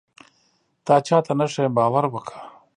تا چاته نه ښيم باور وکه.